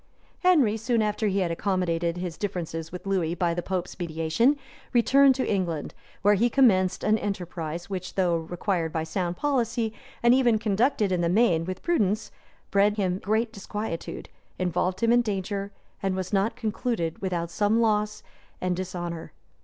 ] {1162.} Henry, soon after he had accommodated his differences with Lewis by the pope's mediation, returned to England; where he commenced an enterprise, which, though required by sound policy, and even conducted in the main with prudence, bred him great disquietude, involved him in danger, and was not concluded without some loss and dishonor.